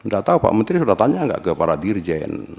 gak tahu pak menteri sudah tanya nggak ke para dirjen